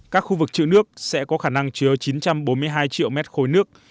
các khu vực chữ nước sẽ có khả năng chứa chín trăm bốn mươi hai triệu mét khối nước